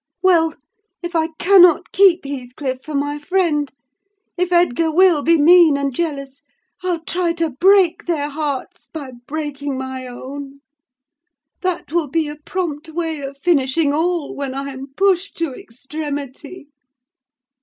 Well, if I cannot keep Heathcliff for my friend—if Edgar will be mean and jealous, I'll try to break their hearts by breaking my own. That will be a prompt way of finishing all, when I am pushed to extremity!